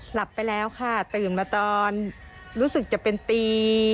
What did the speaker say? หลับไปแล้วค่ะตื่นมาตอนรู้สึกจะเป็นตี